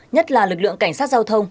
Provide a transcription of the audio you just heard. nhất là lực lượng cảnh sát giao thông